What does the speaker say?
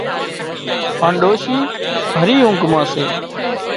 هانَ ڏوشي ڀري اونگھ مان سي